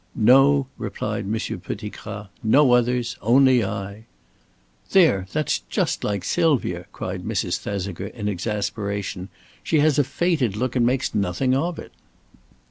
"No," replied Monsieur Pettigrat. "No others. Only I." "There! That's just like Sylvia," cried Mrs. Thesiger, in exasperation. "She has a fated look and makes nothing of it."